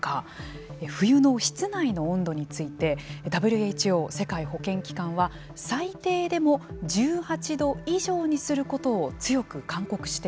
冬の室内の温度についてＷＨＯ＝世界保健機関は最低でも１８度以上にすることを強く勧告しています。